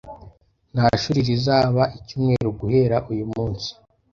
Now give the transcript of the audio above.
Nta shuri rizaba icyumweru guhera uyu munsi